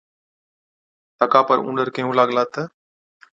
تڪا پر اُونڏر ڪيهُون لاگلا تہ،